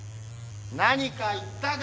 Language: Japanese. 何か言ったか！？